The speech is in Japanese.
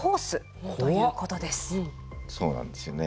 そうなんですよね。